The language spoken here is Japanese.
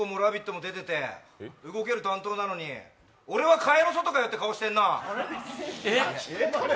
結構出てて動ける担当なのに俺は蚊帳の外かよって顔してんな。